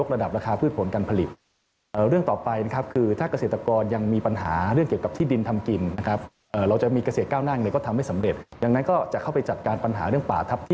เรื่องป่าทับที่ที่ทับป่าต่าง